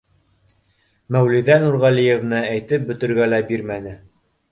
Мәүлиҙә Нурғәлиевна әйтеп бөтөргә лә бирмәне: